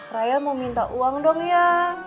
raya mau minta uang dong ya